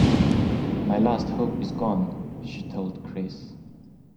“My last hope is gone,” she told Grace.